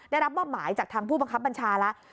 ได้รับมอบหมายจากทางผู้บังคับบัญชาแล้ว